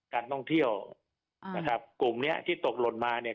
การท่องเที่ยวนะครับกลุ่มเนี้ยที่ตกหล่นมาเนี่ย